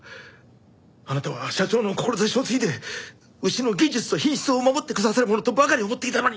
あなたは社長の志を継いでうちの技術と品質を守ってくださるものとばかり思っていたのに！